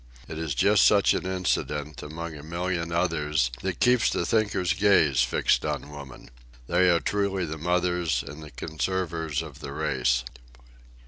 It is just such an incident among a million others that keeps the thinker's gaze fixed on woman. They truly are the mothers and the conservers of the race.